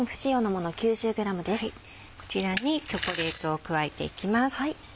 こちらにチョコレートを加えていきます。